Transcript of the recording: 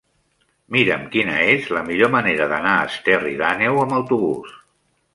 Mira'm quina és la millor manera d'anar a Esterri d'Àneu amb autobús.